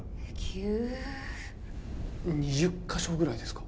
急２０か所ぐらいですか？